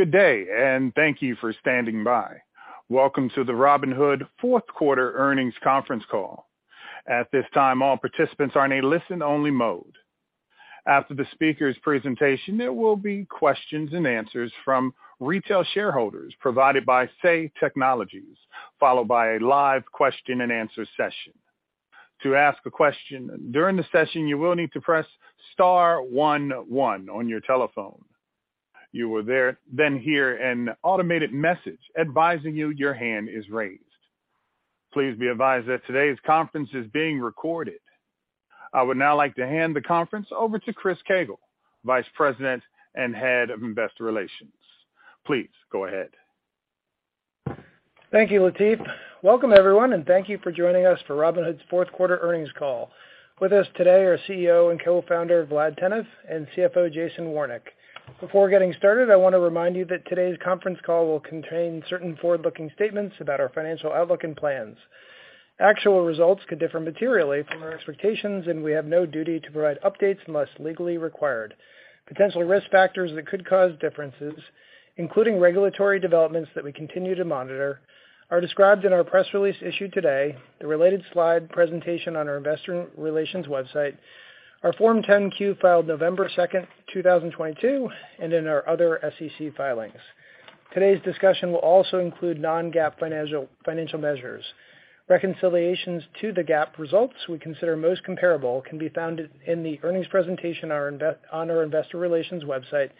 Good day, and thank you for standing by. Welcome to the Robinhood Q4 earnings conference call. At this time, all participants are in a listen-only mode. After the speaker's presentation, there will be questions and answers from retail shareholders provided by Say Technologies, followed by a live question and answer session. To ask a question during the session, you will need to press * 1 1 on your telephone. You will then hear an automated message advising you your hand is raised. Please be advised that today's conference is being recorded. I would now like to hand the conference over to Chris Koegel, Vice President and Head of Investor Relations. Please go ahead. Thank you, Latif. Welcome, everyone. Thank you for joining us for Robinhood's Q4 earnings call. With us today are CEO and Co-Founder, Vlad Tenev, and CFO, Jason Warnick. Before getting started, I wanna remind you that today's conference call will contain certain forward-looking statements about our financial outlook and plans. Actual results could differ materially from our expectations. We have no duty to provide updates unless legally required. Potential risk factors that could cause differences, including regulatory developments that we continue to monitor, are described in our press release issued today, the related slide presentation on our investor relations website, our Form 10-Q filed November 2, 2022, and in our other SEC filings. Today's discussion will also include non-GAAP financial measures. Reconciliations to the GAAP results we consider most comparable can be found in the earnings presentation on our investor relations website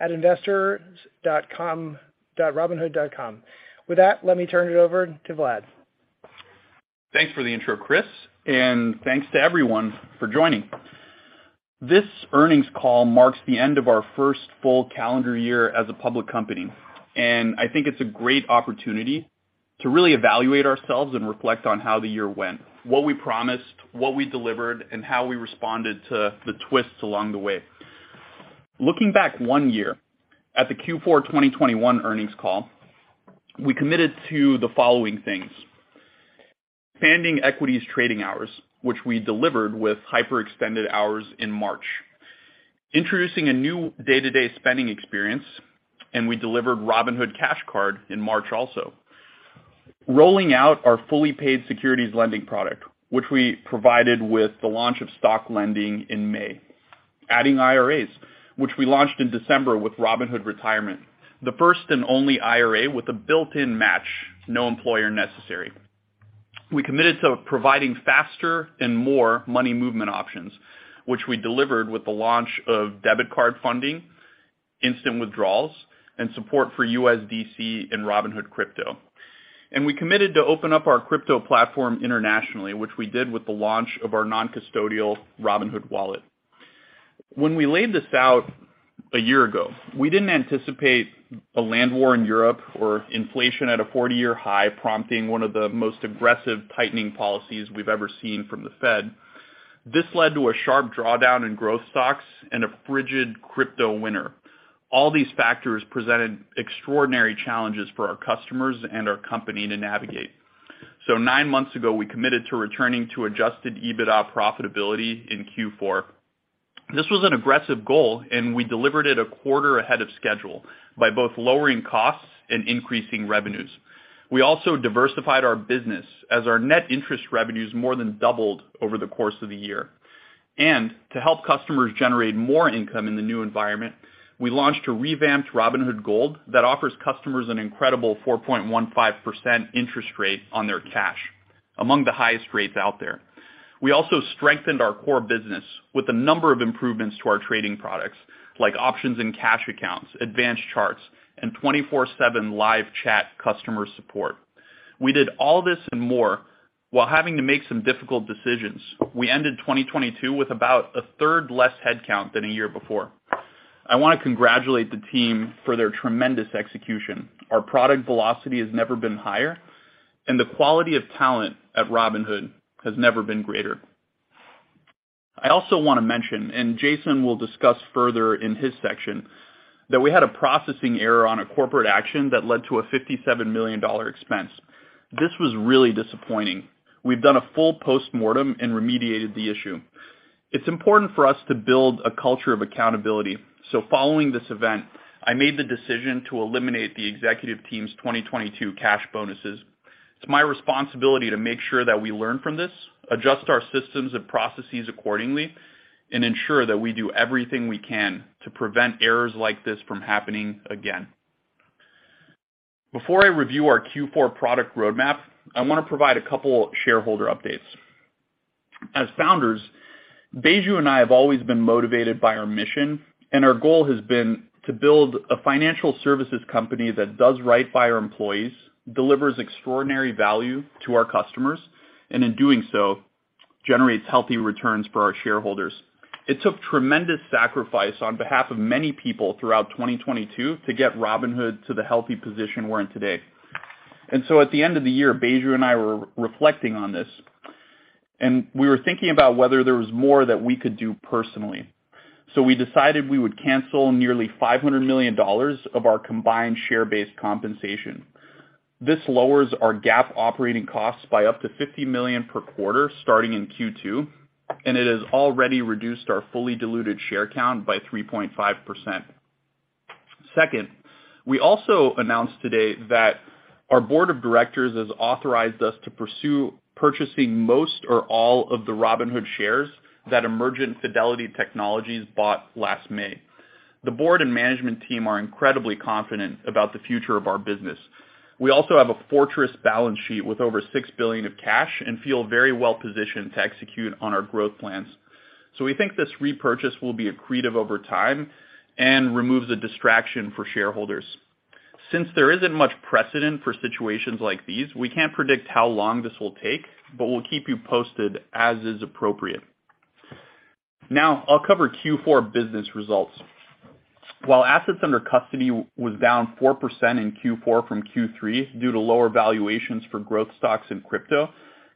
at investor.robinhood.com. With that, let me turn it over to Vlad. Thanks for the intro, Chris, and thanks to everyone for joining. This earnings call marks the end of our 1st full calendar year as a public company, and I think it's a great opportunity to really evaluate ourselves and reflect on how the year went, what we promised, what we delivered, and how we responded to the twists along the way. Looking back 1 year at the Q4 2021 earnings call, we committed to the following things: expanding equities trading hours, which we delivered with hyperextended hours in March. Introducing a new day-to-day spending experience, and we delivered Robinhood Cash Card in March also. Rolling out our fully paid securities lending product, which we provided with the launch of Stock Lending in May. Adding IRAs, which we launched in December with Robinhood Retirement, the 1st and only IRA with a built-in match, no employer necessary. We committed to providing faster and more money movement options, which we delivered with the launch of debit card funding, Instant Withdrawals, and support for USDC in Robinhood Crypto. We committed to open up our crypto platform internationally, which we did with the launch of our non-custodial Robinhood Wallet. When we laid this out a year ago, we didn't anticipate a land war in Europe or inflation at a 40-year high, prompting 1 of the most aggressive tightening policies we've ever seen from the Fed. This led to a sharp drawdown in growth stocks and a frigid crypto winter. All these factors presented extraordinary challenges for our customers and our company to navigate. 9 months ago, we committed to returning to adjusted EBITDA profitability in Q4. This was an aggressive goal, and we delivered it a quarter ahead of schedule by both lowering costs and increasing revenues. We also diversified our business as our net interest revenues more than doubled over the course of the year. To help customers generate more income in the new environment, we launched a revamped Robinhood Gold that offers customers an incredible 4.15% interest rate on their cash, among the highest rates out there. We also strengthened our core business with a number of improvements to our trading products, like options and cash accounts, advanced charts, and 24/7 live chat customer support. We did all this and more while having to make some difficult decisions. We ended 2022 with about 1/3 less headcount than a year before. I wanna congratulate the team for their tremendous execution. Our product velocity has never been higher, and the quality of talent at Robinhood has never been greater. I also want to mention, Jason will discuss further in his section, that we had a processing error on a corporate action that led to a $57 million expense. This was really disappointing. We've done a full postmortem and remediated the issue. It's important for us to build a culture of accountability, following this event, I made the decision to eliminate the executive team's 2022 cash bonuses. It's my responsibility to make sure that we learn from this, adjust our systems and processes accordingly, and ensure that we do everything we can to prevent errors like this from happening again. Before I review our Q4 product roadmap, I want to provide a couple shareholder updates. As founders, Baiju and I have always been motivated by our mission, and our goal has been to build a financial services company that does right by our employees, delivers extraordinary value to our customers, and in doing so, generates healthy returns for our shareholders. It took tremendous sacrifice on behalf of many people throughout 2022 to get Robinhood to the healthy position we're in today. At the end of the year, Baiju and I were reflecting on this, and we were thinking about whether there was more that we could do personally. We decided we would cancel nearly $500 million of our combined share-based compensation. This lowers our GAAP operating costs by up to $50 million per quarter starting in Q2, and it has already reduced our fully diluted share count by 3.5%. 2nd, we also announced today that our board of directors has authorized us to pursue purchasing most or all of the Robinhood shares that Emergent Fidelity Technologies bought last May. The board and management team are incredibly confident about the future of our business. We also have a fortress balance sheet with over $6 billion of cash and feel very well positioned to execute on our growth plans. We think this repurchase will be accretive over time and removes a distraction for shareholders. Since there isn't much precedent for situations like these, we can't predict how long this will take, but we'll keep you posted as is appropriate. I'll cover Q4 business results. While assets under custody was down 4% in Q4 from Q3 due to lower valuations for growth stocks in crypto,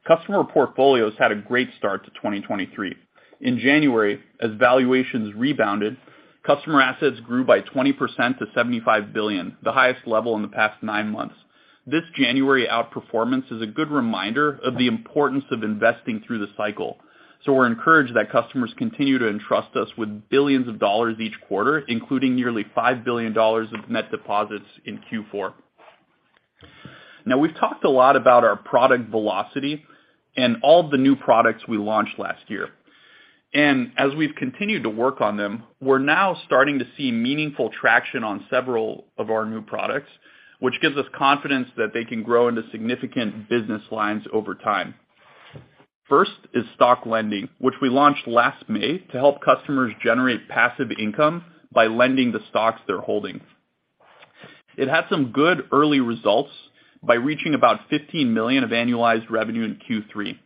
customer portfolios had a great start to 2023. In January, as valuations rebounded, customer assets grew by 20% to $75 billion, the highest level in the past 9 months. This January outperformance is a good reminder of the importance of investing through the cycle. We're encouraged that customers continue to entrust us with billions of dollars each quarter, including nearly $5 billion of net deposits in Q4. We've talked a lot about our product velocity and all the new products we launched last year. As we've continued to work on them, we're now starting to see meaningful traction on several of our new products, which gives us confidence that they can grow into significant business lines over time. First is Stock Lending, which we launched last May to help customers generate passive income by lending the stocks they're holding. It had some good early results by reaching about $15 million of annualized revenue in Q3.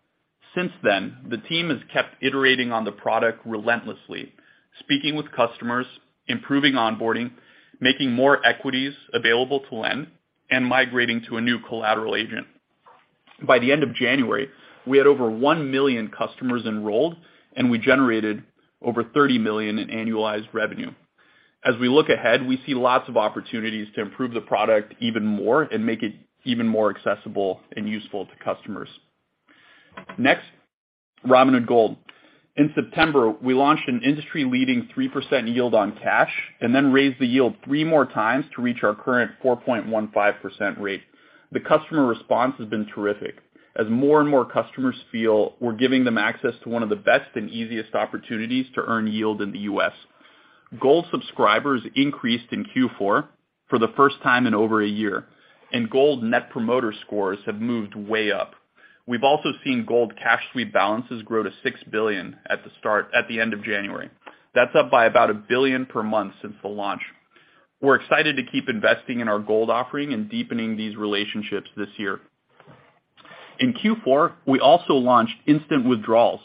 Since then, the team has kept iterating on the product relentlessly, speaking with customers, improving onboarding, making more equities available to lend, and migrating to a new collateral agent. By the end of January, we had over 1 million customers enrolled, and we generated over $30 million in annualized revenue. As we look ahead, we see lots of opportunities to improve the product even more and make it even more accessible and useful to customers. Next, Robinhood Gold. In September, we launched an industry-leading 3% yield on cash, and then raised the yield 3 more times to reach our current 4.15% rate. The customer response has been terrific as more and more customers feel we're giving them access to 1 of the best and easiest opportunities to earn yield in the U.S. Gold subscribers increased in Q4 for the first time in over a year. Gold net promoter scores have moved way up. We've also seen Gold cash sweep balances grow to $6 billion at the end of January. That's up by about $1 billion per month since the launch. We're excited to keep investing in our Gold offering and deepening these relationships this year. In Q4, we also launched Instant Withdrawals,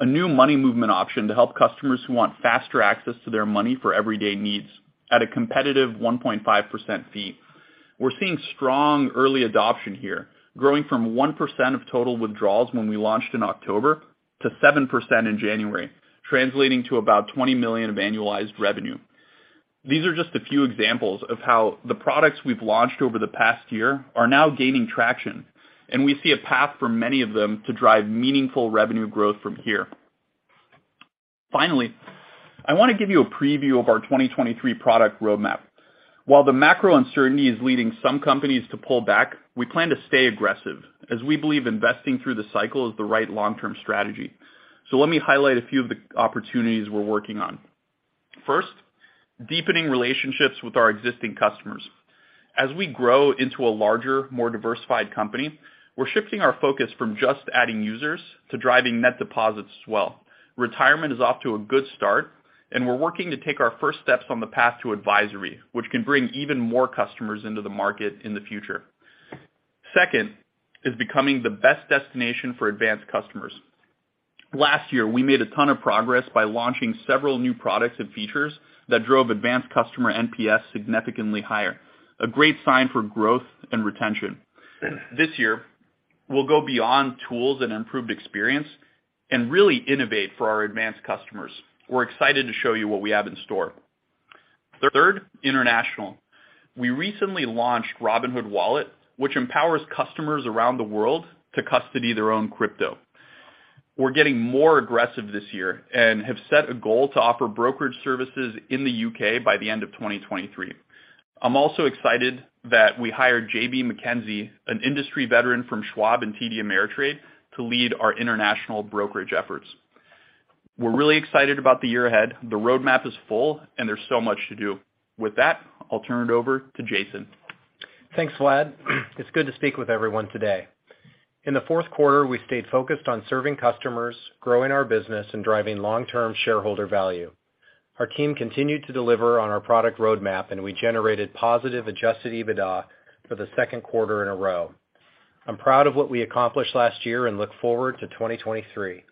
a new money movement option to help customers who want faster access to their money for everyday needs at a competitive 1.5% fee. We're seeing strong early adoption here, growing from 1% of total withdrawals when we launched in October to 7% in January, translating to about $20 million of annualized revenue. These are just a few examples of how the products we've launched over the past year are now gaining traction. We see a path for many of them to drive meaningful revenue growth from here. Finally, I want to give you a preview of our 2023 product roadmap. While the macro uncertainty is leading some companies to pull back, we plan to stay aggressive, as we believe investing through the cycle is the right long-term strategy. Let me highlight a few of the opportunities we're working on. 1st, deepening relationships with our existing customers. As we grow into a larger, more diversified company, we're shifting our focus from just adding users to driving net deposits as well. Retirement is off to a good start, and we're working to take our 1st steps on the path to advisory, which can bring even more customers into the market in the future. 2nd is becoming the best destination for advanced customers. Last year, we made a ton of progress by launching several new products and features that drove advanced customer NPS significantly higher, a great sign for growth and retention. This year, we'll go beyond tools and improved experience and really innovate for our advanced customers. We're excited to show you what we have in store. 3rd, international. We recently launched Robinhood Wallet, which empowers customers around the world to custody their own crypto. We're getting more aggressive this year and have set a goal to offer brokerage services in the U.K. by the end of 2023. I'm also excited that we hired JB Mackenzie, an industry veteran from Schwab and TD Ameritrade, to lead our international brokerage efforts. We're really excited about the year ahead. The roadmap is full, and there's so much to do. With that, I'll turn it over to Jason. Thanks, Vlad. It's good to speak with everyone today. In the Q4, we stayed focused on serving customers, growing our business, driving long-term shareholder value. Our team continued to deliver on our product roadmap, and we generated positive adjusted EBITDA for the Q2 in a row. I'm proud of what we accomplished last year and look forward to 2023.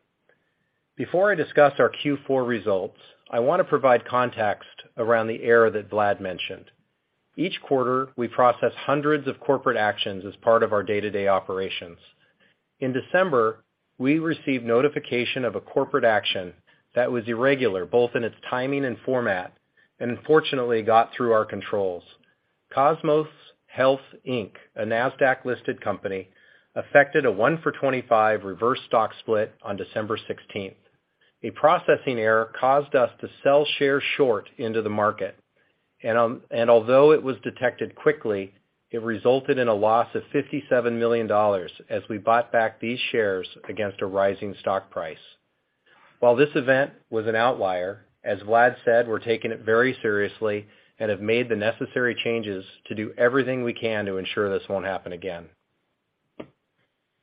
Before I discuss our Q4 results, I wanna provide context around the error that Vlad mentioned. Each quarter, we process hundreds of corporate actions as part of our day-to-day operations. In December, we received notification of a corporate action that was irregular, both in its timing and format, and unfortunately got through our controls. Cosmos Health Inc, a NASDAQ-listed company, affected a 1 for 25 reverse stock split on December 16th. A processing error caused us to sell shares short into the market. Although it was detected quickly, it resulted in a loss of $57 million as we bought back these shares against a rising stock price. While this event was an outlier, as Vlad said, we're taking it very seriously and have made the necessary changes to do everything we can to ensure this won't happen again.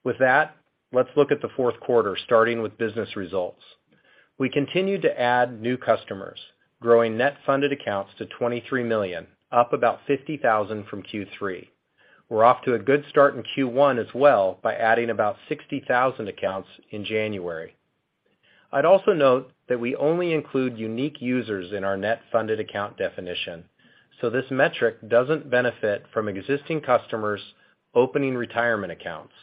With that, let's look at the Q4, starting with business results. We continued to add new customers, growing net funded accounts to 23 million, up about 50,000 from Q3. We're off to a good start in Q1 as well by adding about 60,000 accounts in January. I'd also note that we only include unique users in our net funded account definition, so this metric doesn't benefit from existing customers opening retirement accounts.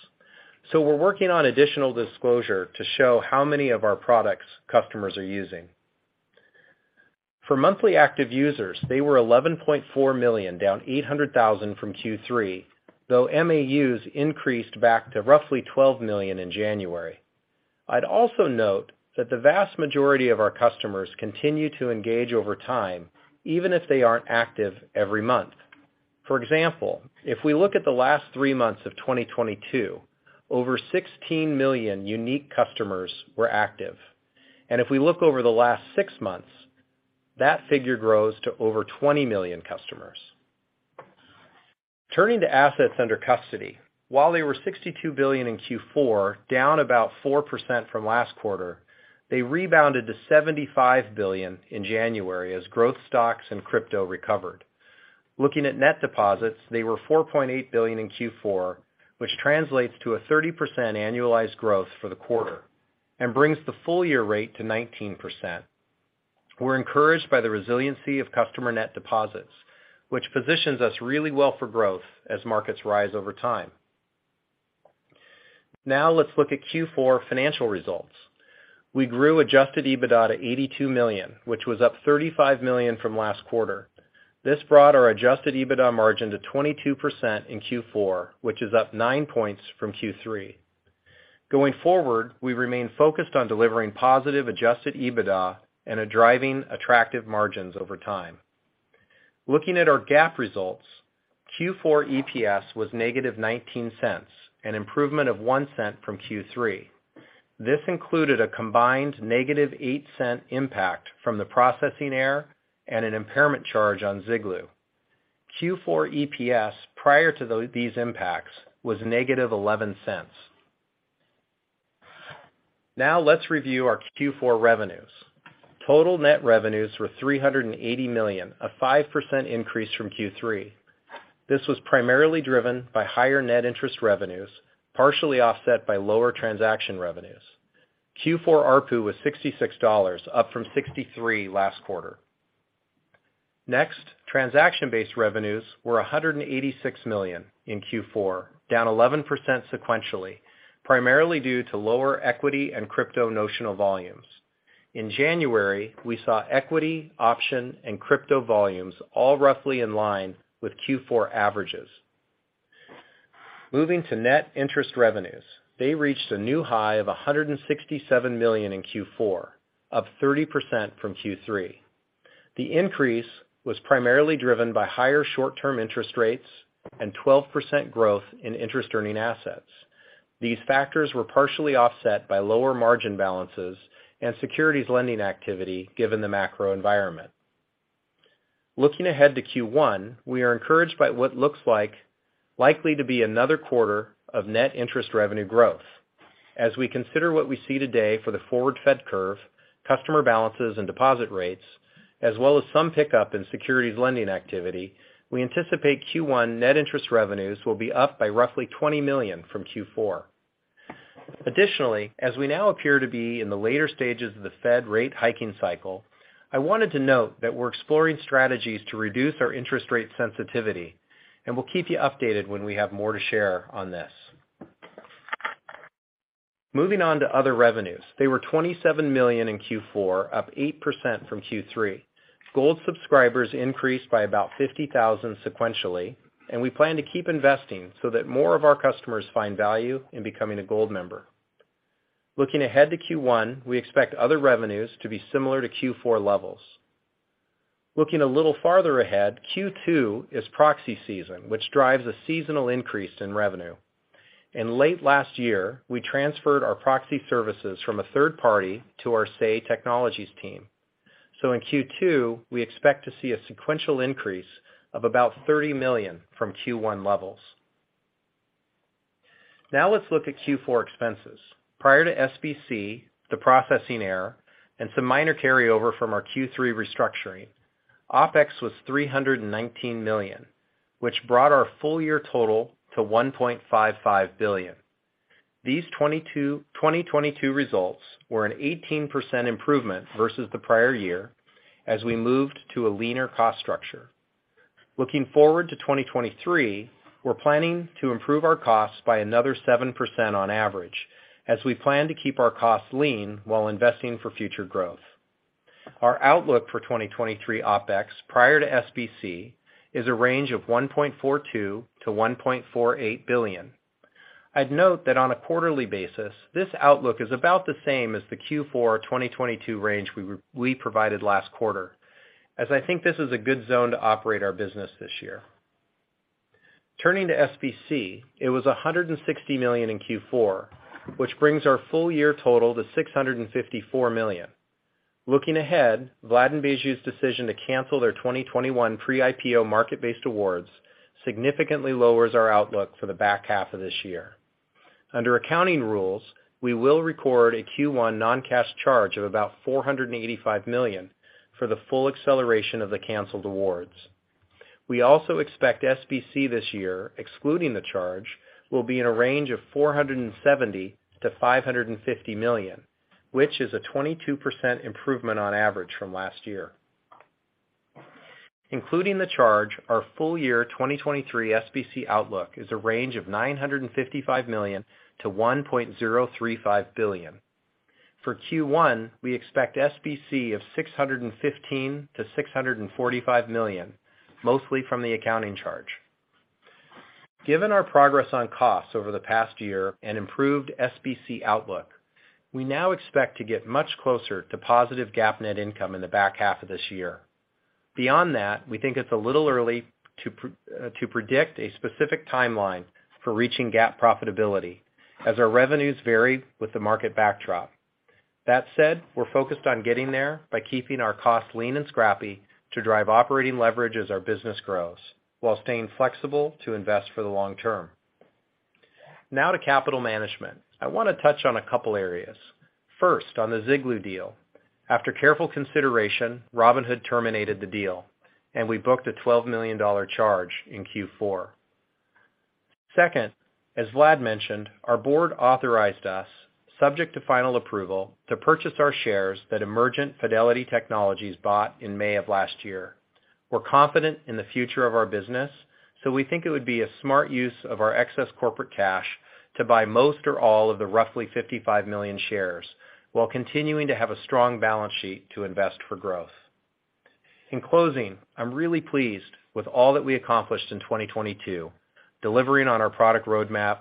We're working on additional disclosure to show how many of our products customers are using. For monthly active users, they were $11.4 million, down $800,000 from Q3, though MAUs increased back to roughly $12 million in January. I'd also note that the vast majority of our customers continue to engage over time, even if they aren't active every month. For example, if we look at the last 3 months of 2022, over 16 million unique customers were active. If we look over the last 6 months, that figure grows to over 20 million customers. Turning to assets under custody, while they were $62 billion in Q4, down about 4% from last quarter, they rebounded to $75 billion in January as growth stocks and crypto recovered. Looking at net deposits, they were $4.8 billion in Q4, which translates to a 30% annualized growth for the quarter and brings the full year rate to 19%. We're encouraged by the resiliency of customer net deposits, which positions us really well for growth as markets rise over time. Let's look at Q4 financial results. We grew adjusted EBITDA to $82 million, which was up $35 million from last quarter. This brought our adjusted EBITDA margin to 22% in Q4, which is up 9 points from Q3. Going forward, we remain focused on delivering positive adjusted EBITDA and are driving attractive margins over time. Looking at our GAAP results, Q4 EPS was negative $0.19, an improvement of $0.01 from Q3. This included a combined negative $0.08 impact from the processing error and an impairment charge on Ziglu. Q4 EPS prior to these impacts was negative $0.11. Let's review our Q4 revenues. Total net revenues were $380 million, a 5% increase from Q3. This was primarily driven by higher net interest revenues, partially offset by lower transaction revenues. Q4 ARPU was $66, up from $63 last quarter. Next, transaction-based revenues were $186 million in Q4, down 11% sequentially, primarily due to lower equity and crypto notional volumes. In January, we saw equity, option, and crypto volumes all roughly in line with Q4 averages. Moving to net interest revenues. They reached a new high of $167 million in Q4, up 30% from Q3. The increase was primarily driven by higher short-term interest rates and 12% growth in interest-earning assets. These factors were partially offset by lower margin balances and securities lending activity given the macro environment. Looking ahead to Q1, we are encouraged by what looks like likely to be another quarter of net interest revenue growth. As we consider what we see today for the forward Fed curve, customer balances and deposit rates, as well as some pickup in securities lending activity, we anticipate Q1 net interest revenues will be up by roughly $20 million from Q4. Additionally, as we now appear to be in the later stages of the Fed rate hiking cycle, I wanted to note that we're exploring strategies to reduce our interest rate sensitivity, and we'll keep you updated when we have more to share on this. Moving on to other revenues. They were $27 million in Q4, up 8% from Q3. Gold subscribers increased by about 50,000 sequentially, and we plan to keep investing so that more of our customers find value in becoming a Gold member. Looking ahead to Q1, we expect other revenues to be similar to Q4 levels. Looking a little farther ahead, Q2 is proxy season, which drives a seasonal increase in revenue. Late last year, we transferred our proxy services from a third party to our Say Technologies team. In Q2, we expect to see a sequential increase of about $30 million from Q1 levels. Let's look at Q4 expenses. Prior to SBC, the processing error, and some minor carryover from our Q3 restructuring, OpEx was $319 million, which brought our full year total to $1.55 billion. These 2022 results were an 18% improvement versus the prior year as we moved to a leaner cost structure. Looking forward to 2023, we're planning to improve our costs by another 7% on average as we plan to keep our costs lean while investing for future growth. Our outlook for 2023 OpEx prior to SBC is a range of $1.42 billion-$1.48 billion. I'd note that on a quarterly basis, this outlook is about the same as the Q4 2022 range we provided last quarter, as I think this is a good zone to operate our business this year. Turning to SBC, it was $160 million in Q4, which brings our full year total to $654 million. Looking ahead, Vlad and Baiju's decision to cancel their 2021 pre-IPO market-based awards significantly lowers our outlook for the back half of this year. Under accounting rules, we will record a Q1 non-cash charge of about $485 million for the full acceleration of the canceled awards. We also expect SBC this year, excluding the charge, will be in a range of $470 million-$550 million, which is a 22% improvement on average from last year. Including the charge, our full year 2023 SBC outlook is a range of $955 million-$1.035 billion. For Q1, we expect SBC of $615 million-$645 million, mostly from the accounting charge. Given our progress on costs over the past year and improved SBC outlook, we now expect to get much closer to positive GAAP net income in the back half of this year. Beyond that, we think it's a little early to predict a specific timeline for reaching GAAP profitability as our revenues vary with the market backdrop. That said, we're focused on getting there by keeping our costs lean and scrappy to drive operating leverage as our business grows while staying flexible to invest for the long term. To capital management. I wanna touch on a couple areas. 1st, on the Ziglu deal. After careful consideration, Robinhood terminated the deal, and we booked a $12 million charge in Q4. 2nd, as Vlad mentioned, our board authorized us, subject to final approval, to purchase our shares that Emergent Fidelity Technologies bought in May of last year. We're confident in the future of our business, we think it would be a smart use of our excess corporate cash to buy most or all of the roughly 55 million shares while continuing to have a strong balance sheet to invest for growth. In closing, I'm really pleased with all that we accomplished in 2022, delivering on our product roadmap,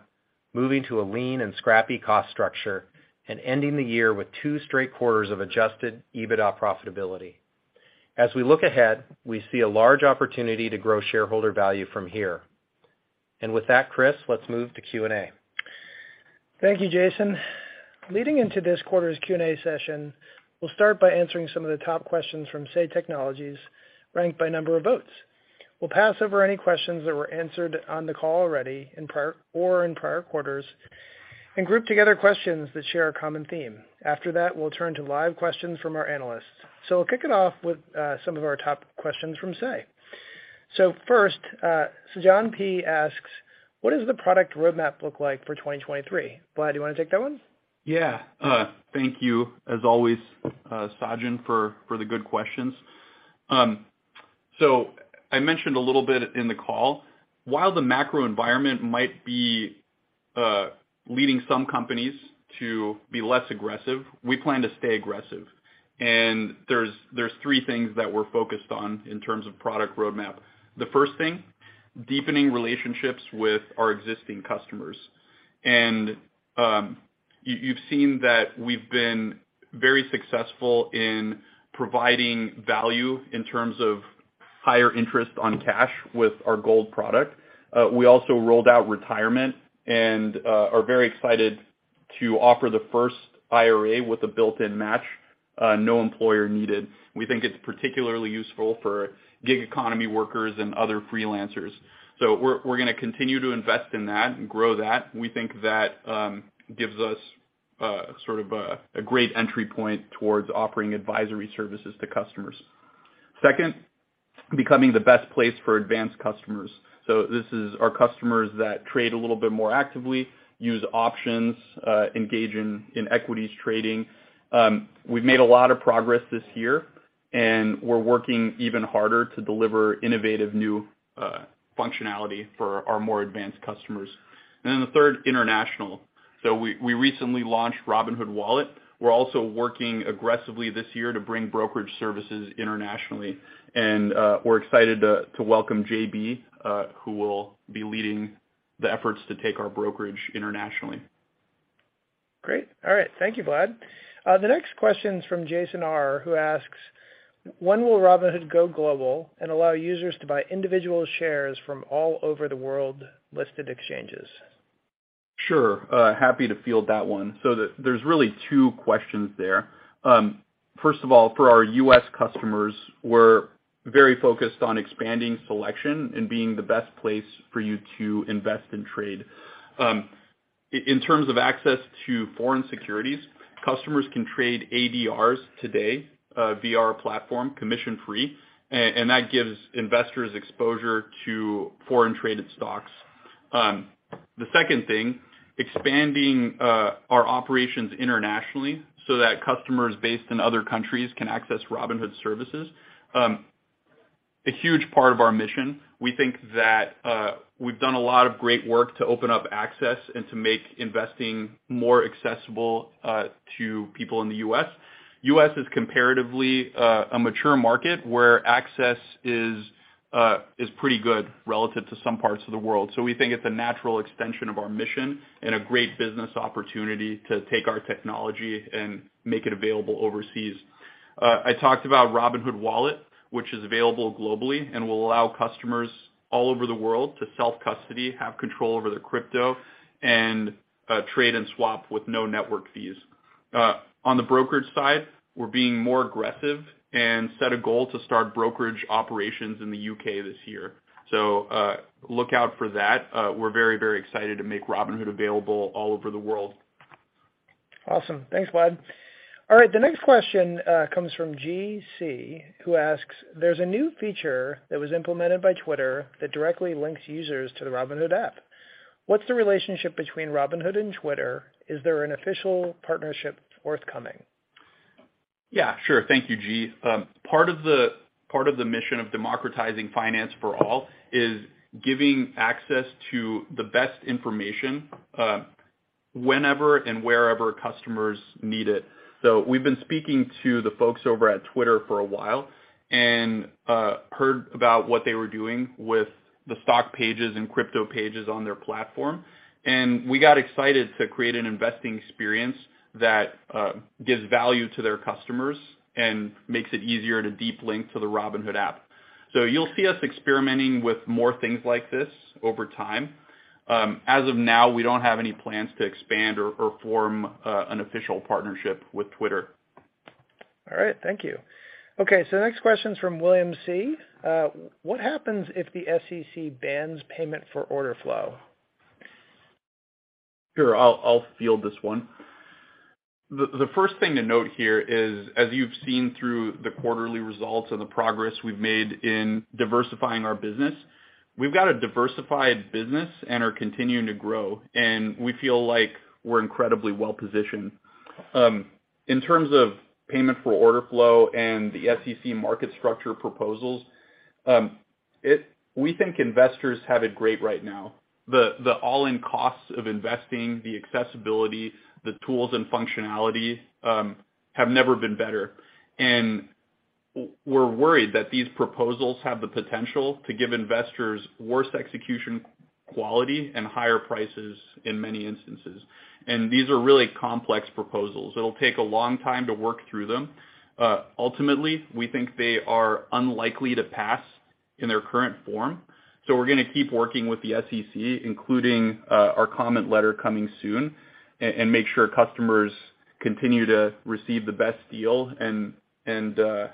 moving to a lean and scrappy cost structure, and ending the year with 2 straight quarters of adjusted EBITDA profitability. As we look ahead, we see a large opportunity to grow shareholder value from here. With that, Chris, let's move to Q&A. Thank you, Jason. Leading into this quarter's Q&A session, we'll start by answering some of the top questions from Say Technologies ranked by number of votes. We'll pass over any questions that were answered on the call already in prior quarters, and group together questions that share a common theme. After that, we'll turn to live questions from our analysts. We'll kick it off with some of our top questions from Say. 1st, Sajan P. asks, "What does the product roadmap look like for 2023?" Vlad, do you wanna take that 1? Thank you as always, Sajan, for the good questions. I mentioned a little bit in the call, while the macro environment might be leading some companies to be less aggressive, we plan to stay aggressive. There's 3 things that we're focused on in terms of product roadmap. The 1st thing, deepening relationships with our existing customers. You've seen that we've been very successful in providing value in terms of higher interest on cash with our Gold product. We also rolled out Retirement and are very excited to offer the 1st IRA with a built-in match, no employer needed. We think it's particularly useful for gig economy workers and other freelancers. We're gonna continue to invest in that and grow that. We think that gives us sort of a great entry point towards offering advisory services to customers. 2nd, becoming the best place for advanced customers. This is our customers that trade a little bit more actively, use options, engage in equities trading. We've made a lot of progress this year, and we're working even harder to deliver innovative new functionality for our more advanced customers. The 3rd, international. We recently launched Robinhood Wallet. We're also working aggressively this year to bring brokerage services internationally. We're excited to welcome JB, who will be leading the efforts to take our brokerage internationally. Great. All right. Thank you, Vlad. The next question's from Jason R., who asks, "When will Robinhood go global and allow users to buy individual shares from all over the world listed exchanges? Sure. happy to field that 1. there's really 2 questions there. first of all, for our U.S. customers, we're very focused on expanding selection and being the best place for you to invest and trade. in terms of access to foreign securities, customers can trade ADRs today, via our platform, commission-free, and that gives investors exposure to foreign traded stocks. The 2nd thing, expanding our operations internationally so that customers based in other countries can access Robinhood services. A huge part of our mission, we think that we've done a lot of great work to open up access and to make investing more accessible to people in the US. US is comparatively a mature market where access is pretty good relative to some parts of the world. We think it's a natural extension of our mission and a great business opportunity to take our technology and make it available overseas. I talked about Robinhood Wallet, which is available globally and will allow customers all over the world to self-custody, have control over their crypto, and trade and swap with no network fees. On the brokerage side, we're being more aggressive and set a goal to start brokerage operations in the U.K. this year. Look out for that. We're very, very excited to make Robinhood available all over the world. Awesome. Thanks, Vlad. All right, the next question, comes from G. C., who asks, "There's a new feature that was implemented by Twitter that directly links users to the Robinhood app. What's the relationship between Robinhood and Twitter? Is there an official partnership forthcoming? Sure. Thank you, G. part of the mission of democratizing finance for all is giving access to the best information, whenever and wherever customers need it. We've been speaking to the folks over at Twitter for a while and heard about what they were doing with the stock pages and crypto pages on their platform. We got excited to create an investing experience that gives value to their customers and makes it easier to deep link to the Robinhood app. You'll see us experimenting with more things like this over time. As of now, we don't have any plans to expand or form an official partnership with Twitter. All right. Thank you. Okay, the next question is from William C., "What happens if the SEC bans payment for order flow? Sure, I'll field this 1. The 1st thing to note here is, as you've seen through the quarterly results and the progress we've made in diversifying our business, we've got a diversified business and are continuing to grow, and we feel like we're incredibly well-positioned. In terms of payment for order flow and the SEC market structure proposals, we think investors have it great right now. The all-in costs of investing, the accessibility, the tools and functionality, have never been better. We're worried that these proposals have the potential to give investors worse execution quality and higher prices in many instances. These are really complex proposals. It'll take a long time to work through them. Ultimately, we think they are unlikely to pass in their current form. We're gonna keep working with the SEC, including our comment letter coming soon, and make sure customers continue to receive the best deal and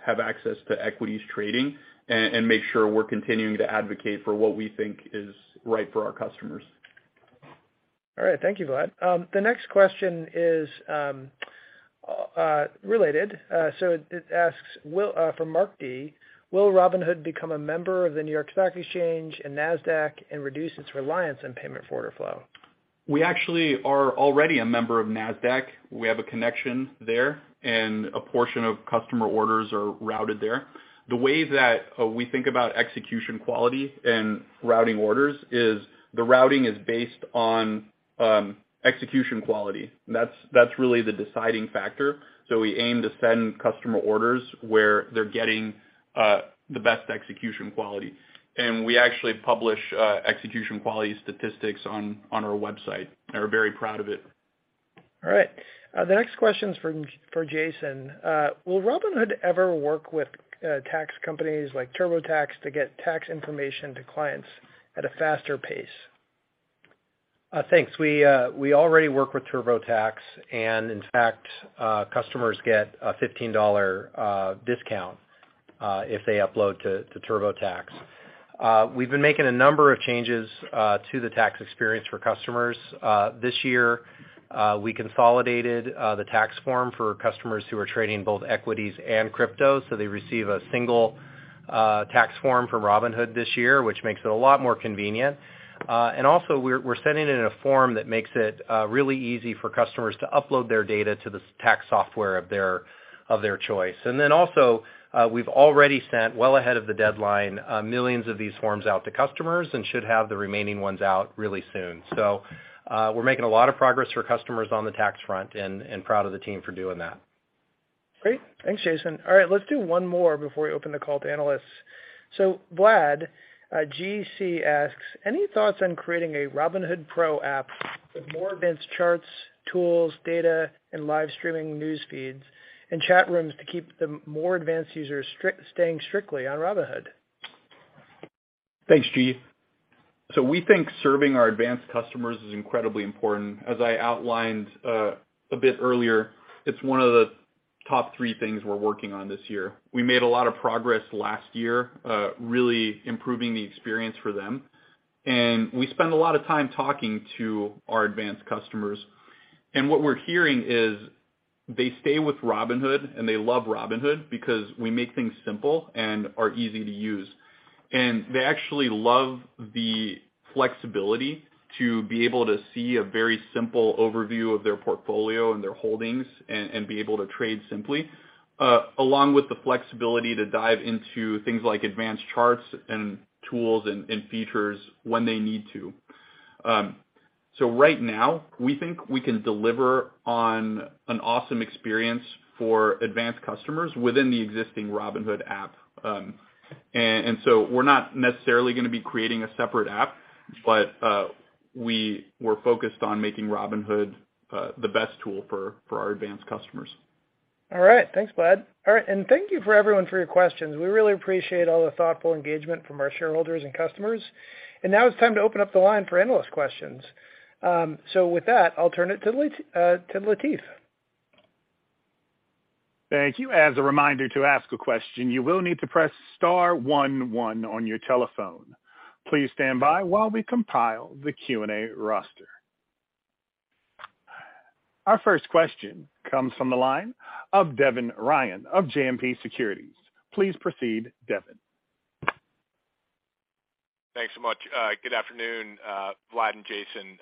have access to equities trading and make sure we're continuing to advocate for what we think is right for our customers. All right. Thank you, Vlad. The next question is related. It asks, from Mark D., "Will Robinhood become a member of the New York Stock Exchange and Nasdaq and reduce its reliance on payment for order flow? We actually are already a member of Nasdaq. We have a connection there, and a portion of customer orders are routed there. The way that we think about execution quality and routing orders is the routing is based on execution quality. That's really the deciding factor. We aim to send customer orders where they're getting the best execution quality. We actually publish execution quality statistics on our website, and we're very proud of it. All right. The next question's for Jason. Will Robinhood ever work with tax companies like TurboTax to get tax information to clients at a faster pace? Thanks. We already work with TurboTax, and in fact, customers get a $15 discount if they upload to TurboTax. We've been making a number of changes to the tax experience for customers. This year, we consolidated the tax form for customers who are trading both equities and crypto, so they receive a single tax form from Robinhood this year, which makes it a lot more convenient. Also, we're sending it in a form that makes it really easy for customers to upload their data to the tax software of their choice. Also, we've already sent, well ahead of the deadline, millions of these forms out to customers and should have the remaining ones out really soon. We're making a lot of progress for customers on the tax front and proud of the team for doing that. Great. Thanks, Jason. All right, let's do 1 more before we open the call to analysts. Vlad, G. C. asks, "Any thoughts on creating a Robinhood Pro app with more advanced charts, tools, data, and live streaming news feeds and chat rooms to keep the more advanced users staying strictly on Robinhood? Thanks, G. C. We think serving our advanced customers is incredibly important. As I outlined a bit earlier, it's 1 of the top 3 things we're working on this year. We made a lot of progress last year, really improving the experience for them. We spend a lot of time talking to our advanced customers. What we're hearing is. They stay with Robinhood, and they love Robinhood because we make things simple and are easy to use. They actually love the flexibility to be able to see a very simple overview of their portfolio and their holdings and be able to trade simply, along with the flexibility to dive into things like advanced charts and tools and features when they need to. Right now, we think we can deliver on an awesome experience for advanced customers within the existing Robinhood app. We're not necessarily gonna be creating a separate app, but we're focused on making Robinhood the best tool for our advanced customers. All right. Thanks, Vlad. All right. Thank you for everyone for your questions. We really appreciate all the thoughtful engagement from our shareholders and customers. Now it's time to open up the line for analyst questions. With that, I'll turn it to Latif. Thank you. As a reminder, to ask a question, you will need to press * 1 1 on your telephone. Please stand by while we compile the Q&A roster. Our 1st question comes from the line of Devin Ryan of JMP Securities. Please proceed, Devin. Thanks so much. Good afternoon, Vlad and Jason.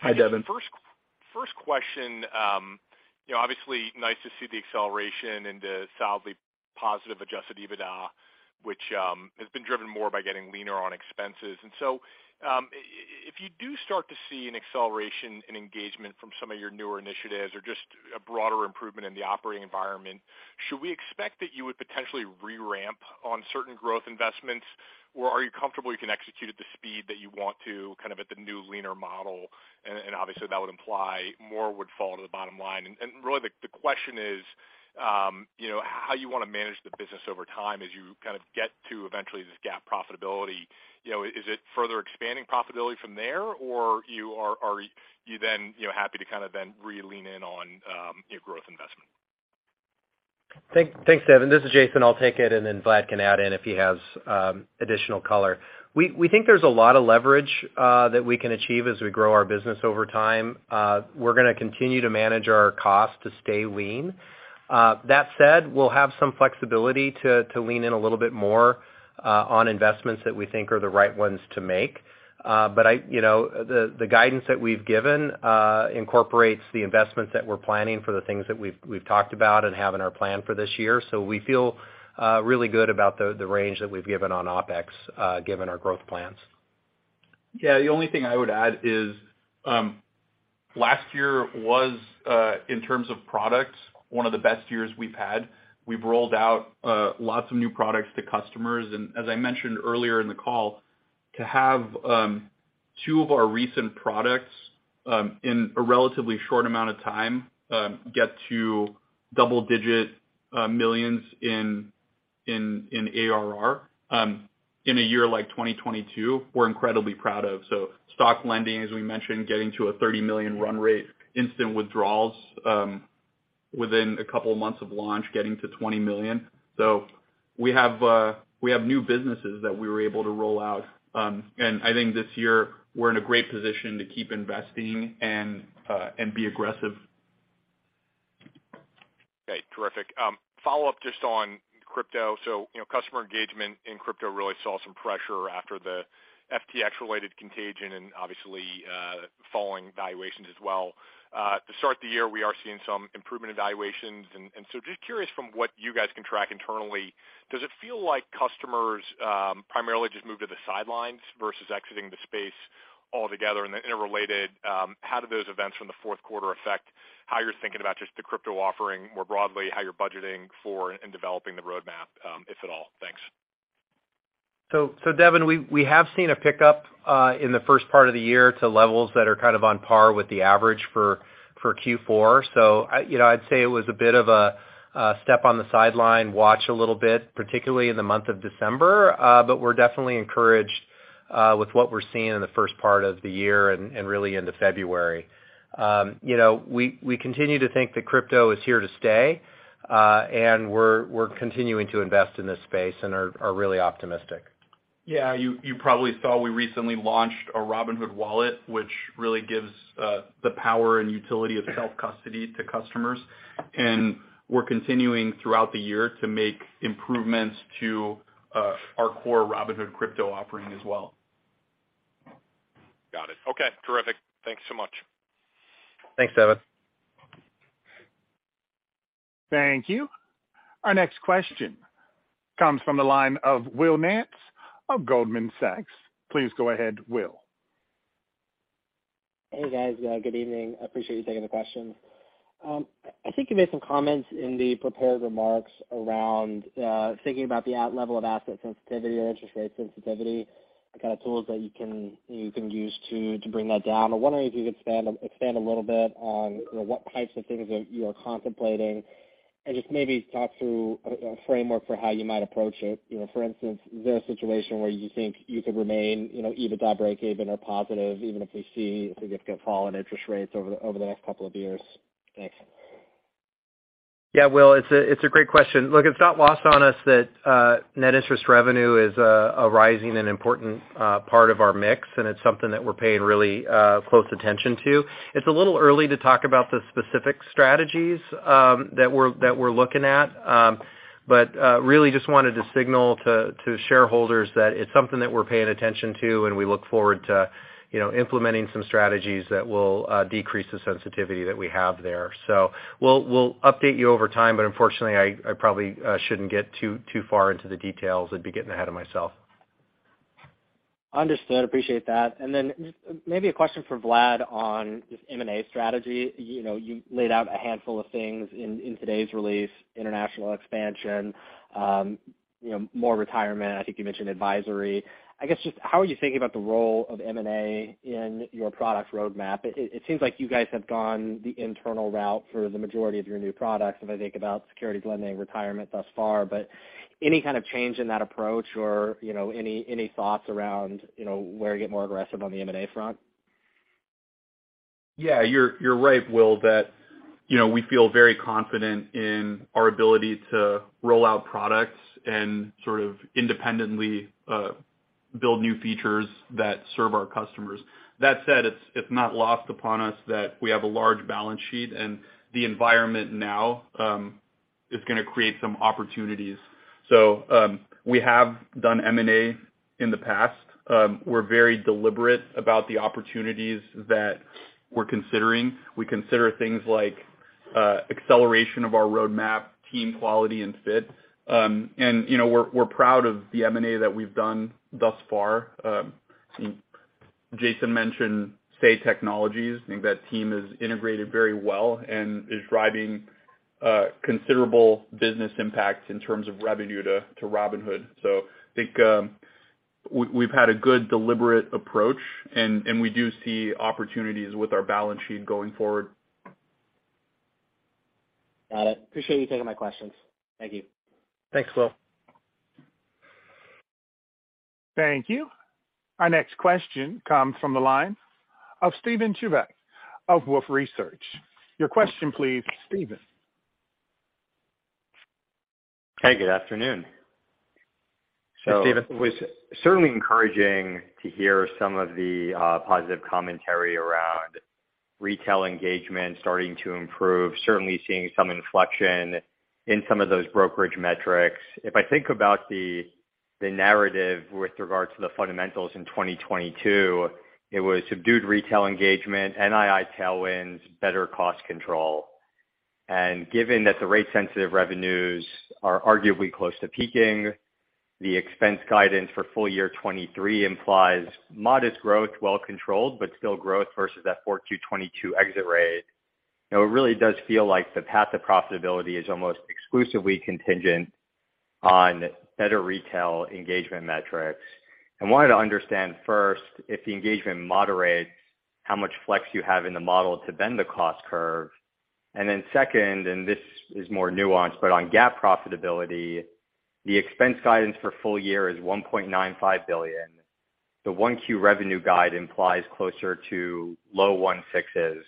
Hi, Devin. 1st question, you know, obviously nice to see the acceleration and the solidly positive adjusted EBITDA, which has been driven more by getting leaner on expenses. If you do start to see an acceleration in engagement from some of your newer initiatives or just a broader improvement in the operating environment, should we expect that you would potentially re-ramp on certain growth investments, or are you comfortable you can execute at the speed that you want to, kind of at the new leaner model? Obviously, that would imply more would fall to the bottom line. Really the question is, you know, how you wanna manage the business over time as you kind of get to eventually this GAAP profitability. You know, is it further expanding profitability from there, or are you then, you know, happy to kinda then re-lean in on, you know, growth investment? Thanks, Devin. This is Jason. I'll take it. Then Vlad can add in if he has additional color. We think there's a lot of leverage that we can achieve as we grow our business over time. We're gonna continue to manage our cost to stay lean. That said, we'll have some flexibility to lean in a little bit more on investments that we think are the right ones to make. I, you know, the guidance that we've given incorporates the investments that we're planning for the things that we've talked about and have in our plan for this year. We feel really good about the range that we've given on OpEx given our growth plans. The only thing I would add is, last year was, in terms of products, 1 of the best years we've had. We've rolled out lots of new products to customers. As I mentioned earlier in the call, to have 2 of our recent products in a relatively short amount of time get to double-digit millions in ARR in a year like 2022, we're incredibly proud of. Stock Lending, as we mentioned, getting to a $30 million run rate. Instant Withdrawals, within a couple of months of launch, getting to $20 million. We have new businesses that we were able to roll out. I think this year, we're in a great position to keep investing and be aggressive. Okay, terrific. Follow-up just on crypto. You know, customer engagement in crypto really saw some pressure after the FTX-related contagion and obviously, following valuations as well. To start the year, we are seeing some improvement in valuations. Just curious from what you guys can track internally, does it feel like customers, primarily just move to the sidelines versus exiting the space altogether? Then interrelated, how do those events from the Q4 affect how you're thinking about just the crypto offering more broadly, how you're budgeting for and developing the roadmap, if at all? Thanks. Devin, we have seen a pickup in the 1st part of the year to levels that are kind of on par with the average for Q4. You know, I'd say it was a bit of a step on the sideline, watch a little bit, particularly in the month of December, but we're definitely encouraged with what we're seeing in the 1st part of the year and really into February. You know, we continue to think that crypto is here to stay, and we're continuing to invest in this space and are really optimistic. You probably saw we recently launched a Robinhood Wallet, which really gives the power and utility of self-custody to customers. We're continuing throughout the year to make improvements to our core Robinhood Crypto offering as well. Got it. Okay, terrific. Thanks so much. Thanks, Devin. Thank you. Our next question comes from the line of Will Nance of Goldman Sachs. Please go ahead, Will. Hey, guys, good evening. Appreciate you taking the questions. I think you made some comments in the prepared remarks around, thinking about the level of asset sensitivity or interest rate sensitivity, the kind of tools that you can use to bring that down. I'm wondering if you could expand a little bit on, you know, what types of things that you are contemplating, and just maybe talk through a framework for how you might approach it. You know, for instance, is there a situation where you think you could remain, you know, EBITDA breakeven or positive, even if we see a significant fall in interest rates over the next couple of years? Thanks. Will, it's a great question. Look, it's not lost on us that net interest revenue is a rising and important part of our mix, and it's something that we're paying really close attention to. It's a little early to talk about the specific strategies that we're looking at. Really just wanted to signal to shareholders that it's something that we're paying attention to, and we look forward to, you know, implementing some strategies that will decrease the sensitivity that we have there. We'll update you over time, but unfortunately, I probably shouldn't get too far into the details. I'd be getting ahead of myself. Understood. Appreciate that. Just maybe a question for Vlad on just M&A strategy. You know, you laid out a handful of things in today's release, international expansion, you know, more retirement. I think you mentioned advisory. I guess, just how are you thinking about the role of M&A in your product roadmap? It seems like you guys have gone the internal route for the majority of your new products, if I think about securities lending, retirement thus far, but any kind of change in that approach or, you know, any thoughts around, you know, where to get more aggressive on the M&A front? You're right, Will, that, you know, we feel very confident in our ability to roll out products and sort of independently build new features that serve our customers. That said, it's not lost upon us that we have a large balance sheet, the environment now is gonna create some opportunities. We have done M&A in the past. We're very deliberate about the opportunities that we're considering. We consider things like acceleration of our roadmap, team quality and fit. You know, we're proud of the M&A that we've done thus far. Jason mentioned Say Technologies. I think that team has integrated very well and is driving considerable business impact in terms of revenue to Robinhood. I think, we've had a good deliberate approach, and we do see opportunities with our balance sheet going forward. Got it. Appreciate you taking my questions. Thank you. Thanks, Will. Thank you. Our next question comes from the line of Steven Chubak of Wolfe Research. Your question, please, Steven. Hey, good afternoon. Hi, Steven. It was certainly encouraging to hear some of the positive commentary around retail engagement starting to improve, certainly seeing some inflection in some of those brokerage metrics. If I think about the narrative with regards to the fundamentals in 2022, it was subdued retail engagement, NII tailwinds, better cost control. Given that the rate sensitive revenues are arguably close to peaking, the expense guidance for full year 2023 implies modest growth, well controlled, but still growth versus that 4Q 2022 exit rate. You know, it really does feel like the path to profitability is almost exclusively contingent on better retail engagement metrics. I wanted to understand, 1st, if the engagement moderates, how much flex you have in the model to bend the cost curve? 2nd, and this is more nuanced, but on GAAP profitability, the expense guidance for full year is $1.95 billion. The 1Q revenue guide implies closer to low 1.6s.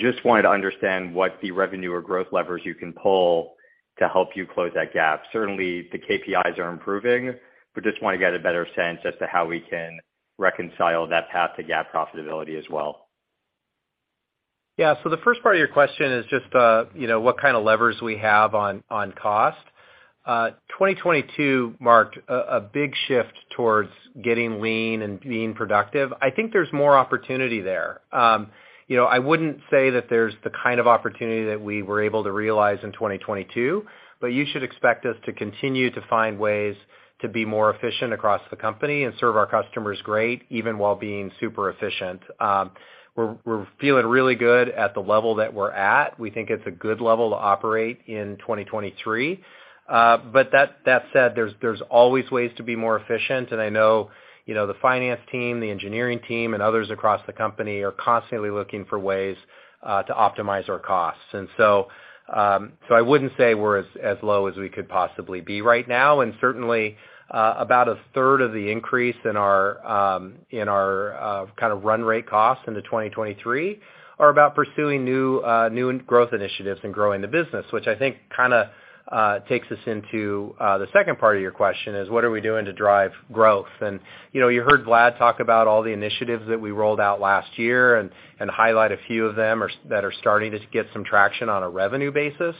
Just wanted to understand what the revenue or growth levers you can pull to help you close that gap. Certainly, the KPIs are improving, but just wanna get a better sense as to how we can reconcile that path to GAAP profitability as well. The 1st part of your question is just, you know, what kind of levers we have on cost. 2022 marked a big shift towards getting lean and being productive. I think there's more opportunity there. You know, I wouldn't say that there's the kind of opportunity that we were able to realize in 2022, but you should expect us to continue to find ways to be more efficient across the company and serve our customers great even while being super efficient. We're feeling really good at the level that we're at. We think it's a good level to operate in 2023. That said, there's always ways to be more efficient. I know, you know, the finance team, the engineering team, and others across the company are constantly looking for ways to optimize our costs. I wouldn't say we're as low as we could possibly be right now, and certainly, about 1/3 of the increase in our, in our kind of run rate costs into 2023 are about pursuing new growth initiatives and growing the business, which I think kinda takes us into the 2nd part of your question is what are we doing to drive growth? You know, you heard Vlad talk about all the initiatives that we rolled out last year and highlight a few of them that are starting to get some traction on a revenue basis.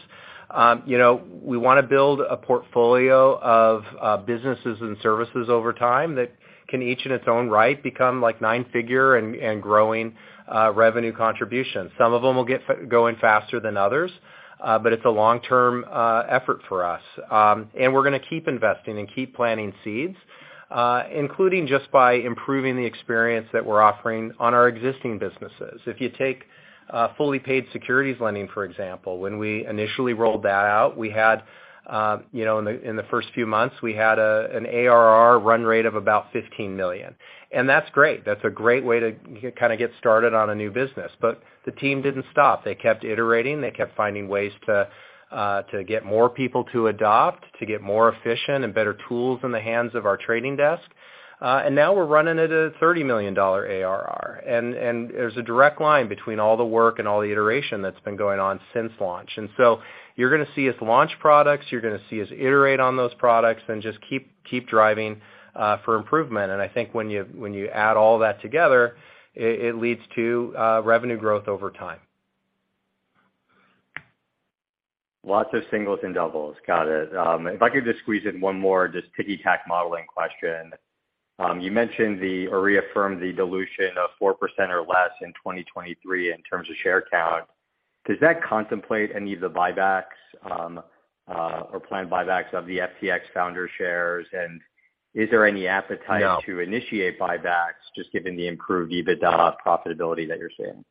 You know, we wanna build a portfolio of businesses and services over time that can each in its own right become like 9-figure and growing revenue contributions. Some of them will get growing faster than others, but it's a long-term effort for us. And we're gonna keep investing and keep planting seeds, including just by improving the experience that we're offering on our existing businesses. If you take fully paid securities lending, for example, when we initially rolled that out, we had, you know, in the first few months, we had an ARR run rate of about $15 million. That's great. That's a great way to kind of get started on a new business. The team didn't stop. They kept iterating. They kept finding ways to get more people to adopt, to get more efficient and better tools in the hands of our trading desk. Now we're running at a $30 million ARR, and there's a direct line between all the work and all the iteration that's been going on since launch. You're gonna see us launch products, you're gonna see us iterate on those products, and just keep driving for improvement. I think when you, when you add all that together, it leads to revenue growth over time. Lots of singles and doubles. Got it. If I could just squeeze in 1 more just ticky-tack modeling question? You mentioned the or reaffirmed the dilution of 4% or less in 2023 in terms of share count. Does that contemplate any of the buybacks, or planned buybacks of the FTX founder shares? Is there any appetite- No to initiate buybacks just given the improved EBITDA profitability that you're seeing?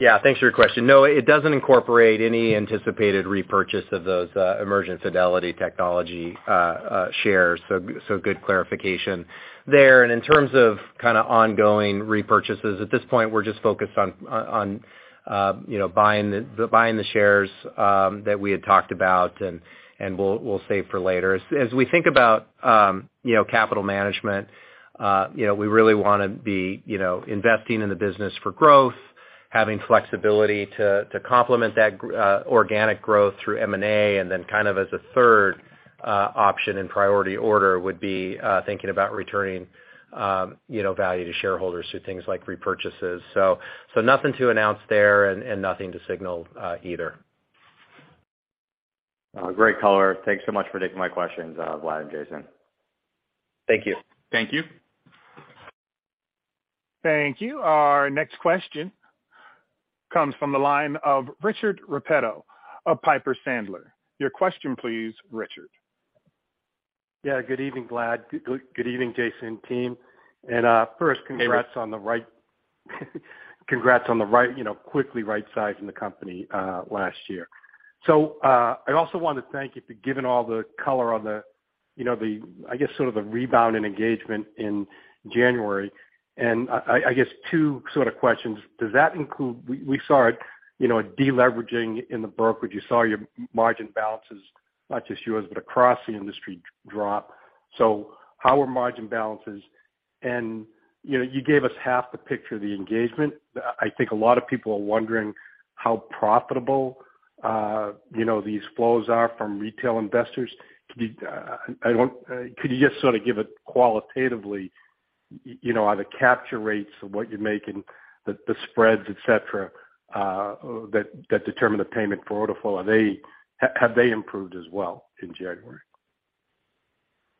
Thanks for your question. No, it doesn't incorporate any anticipated repurchase of those Emergent Fidelity Technologies shares. Good clarification there. In terms of kinda ongoing repurchases, at this point, we're just focused on, you know, buying the shares that we had talked about, and we'll save for later. As we think about, you know, capital management, you know, we really wanna be, you know, investing in the business for growth, having flexibility to complement that organic growth through M&A, and then kind of as a 3rd option in priority order would be thinking about returning, you know, value to shareholders through things like repurchases. Nothing to announce there and nothing to signal either. Great color. Thanks so much for taking my questions, Vlad and Jason. Thank you. Thank you. Thank you. Our next question comes from the line of Richard Repetto of Piper Sandler. Your question please, Richard. Good evening, Vlad. Good evening, Jason, team. Hey, Rich. Congrats on the right, you know, quickly rightsizing the company last year. I also want to thank you for giving all the color on the, you know, the, I guess, sort of the rebound in engagement in January. I guess 2 sort of questions. Does that include. We saw it, you know, a deleveraging in the brokerage. You saw your margin balances, not just yours, but across the industry drop. How are margin balances? You know, you gave us half the picture of the engagement. I think a lot of people are wondering how profitable, you know, these flows are from retail investors. Could you- I won could you just sort of give it qualitatively, you know, are the capture rates of what you're making, the spreads, et cetera, that determine the payment for order flow, are they improved as well in January?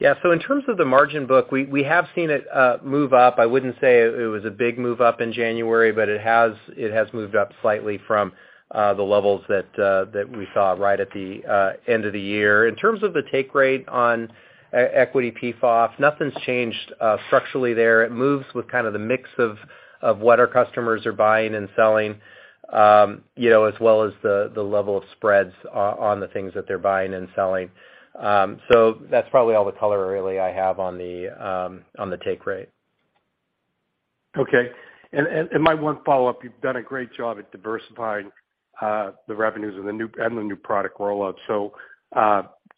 In terms of the margin book, we have seen it move up. I wouldn't say it was a big move up in January, but it has moved up slightly from the levels that we saw right at the end of the year. In terms of the take rate on e-equity PFOF, nothing's changed structurally there. It moves with kind of the mix of what our customers are buying and selling, you know, as well as the level of spreads on the things that they're buying and selling. That's probably all the color really I have on the take rate. Okay. My 1 follow-up, you've done a great job at diversifying the revenues and the new product rollout.